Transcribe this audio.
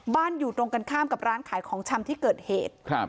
อยู่ตรงกันข้ามกับร้านขายของชำที่เกิดเหตุครับ